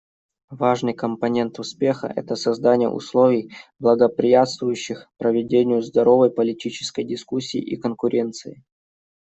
Важный компонент успеха — это создание условий, благоприятствующих проведению здоровой политической дискуссии и конкуренции.